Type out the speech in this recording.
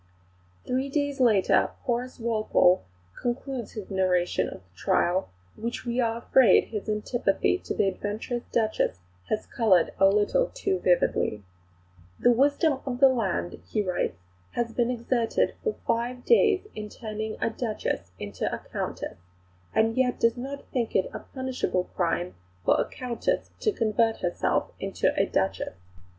Three days later Horace Walpole concludes his narrative of the trial, which we are afraid his antipathy to the adventurous Duchess has coloured a little too vividly: "The wisdom of the land," he writes, "has been exerted for five days in turning a Duchess into a Countess, and yet does not think it a punishable crime for a Countess to convert herself into a Duchess.